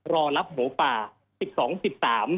รอลับโหป่า๑๒๑๓